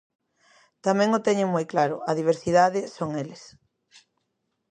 Tamén o teñen moi claro, a diversidade son eles.